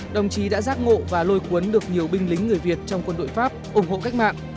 đồng chí đã giác ngộ và lôi cuốn được nhiều binh lính người việt trong quân đội pháp ủng hộ cách mạng